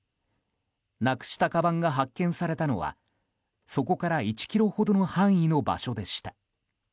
なくしたかばんが発見されたのはそこから１ｋｍほどの範囲の場所でした。